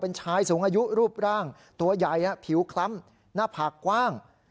เป็นชายสูงอายุรูปร่างตัวใหญ่ผิวคล้ำหน้าผากกว้าง